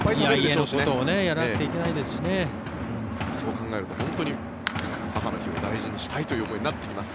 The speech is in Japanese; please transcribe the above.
そう考えると本当に母の日を大事にしたいという思いになってきます。